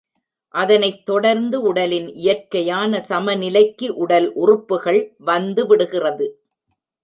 அதனைத் தொடர்ந்து, உடலின் இயற்கையான சமநிலைக்கு உடல் உறுப்புக்கள் வந்து விடுகிறது.